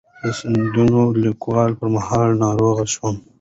د "سندیتون" لیکلو پر مهال ناروغه شوه.